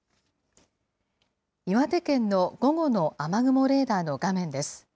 岩手県の午後の雨雲レーダーの画面です。